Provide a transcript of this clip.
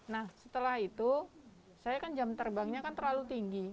nah setelah itu saya kan jam terbangnya kan terlalu tinggi